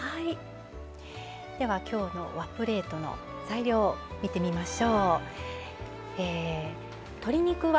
きょうの和プレートの材料を見てみましょう。